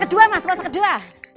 kedua masuk kedua